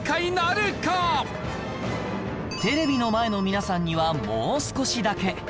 テレビの前の皆さんにはもう少しだけ